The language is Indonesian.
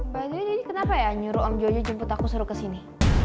by the way kenapa ya nyuruh om jojo jemput aku suruh kesini